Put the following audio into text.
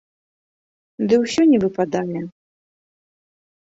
Ды ўсё не выпадае.